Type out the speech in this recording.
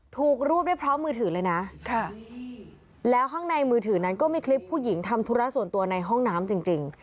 ถูกรวบได้พร้อมมือถือเลยนะแล้วข้างในมือถือนั้นก็มีคลิปผู้หญิงทำธุระส่วนตัวในห้องน้ำจริง